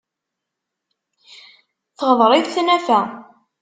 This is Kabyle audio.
Teɣder-it tnafa.